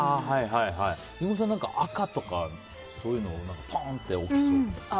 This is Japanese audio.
リンゴさん、赤とかそういうのをポーンって置きそう。